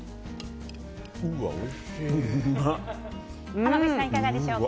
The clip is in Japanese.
濱口さん、いかがでしょうか。